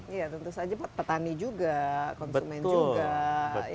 iya tentu saja pak petani juga konsumen juga